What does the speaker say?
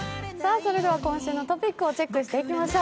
今週のトピックをチェックしていきましょう。